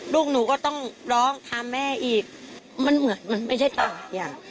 ลูกหนูก็ต้องร้องถามแม่อีกมันเหมือนมันไม่ใช่ต่างอย่าง